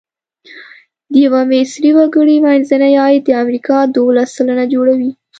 د یوه مصري وګړي منځنی عاید د امریکا دوولس سلنه جوړوي.